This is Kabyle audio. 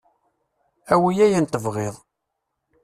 Awi ayen tebɣiḍ.